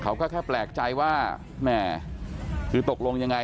เขาก็แค่แปลกใจว่าแหม่คือตกลงยังไง